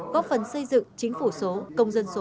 góp phần xây dựng chính phủ số công dân số xã hội số